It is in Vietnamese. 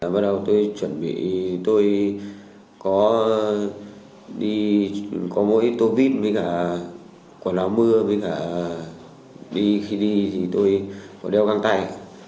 bắt đầu tôi chuẩn bị tôi có mỗi tô vít với cả quần áo mưa với cả khi đi thì tôi có đeo căng tay